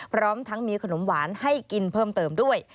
พร้อมทั้งมีขนมหวานให้กินเพิ่มเติมด้วย